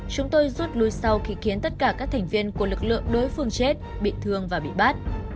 chúng tôi rút lui sau khi khiến tất cả các thành viên của lực lượng đối phương chết bị thương và bị bắt